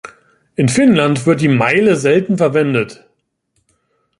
In Finnland wird die Meile selten verwendet.